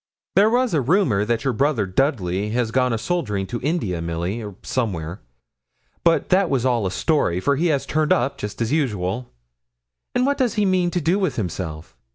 There was a rumour that your brother, Dudley, had gone a soldiering to India, Milly, or somewhere; but that was all a story, for he has turned up, just as usual. And what does he mean to do with himself?